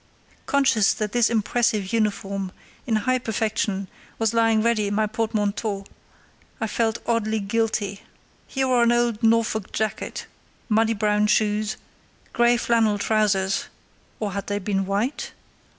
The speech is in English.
Conscious that this impressive uniform, in high perfection, was lying ready in my portmanteau, I felt oddly guilty. He wore an old Norfolk jacket, muddy brown shoes, grey flannel trousers (or had they been white?)